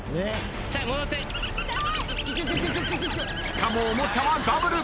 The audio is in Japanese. しかもおもちゃはダブル。